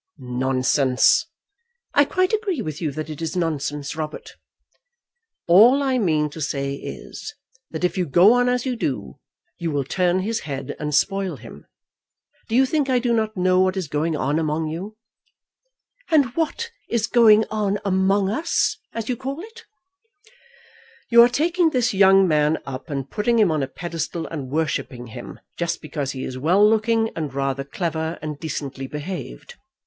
"Nonsense!" "I quite agree with you that it is nonsense, Robert." "All I mean to say is, that if you go on as you do, you will turn his head and spoil him. Do you think I do not know what is going on among you?" "And what is going on among us, as you call it?" "You are taking this young man up and putting him on a pedestal and worshipping him, just because he is well looking, and rather clever and decently behaved.